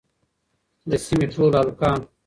د سيمې ټول هلکان